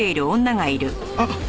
あっ！